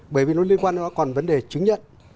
bởi vì nó liên quan nó còn vấn đề chứng nhận